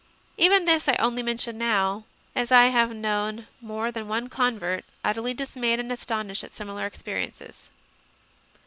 Even this I only mention now, as I have known more than one convert utterly dismayed and astonished at similar experiences.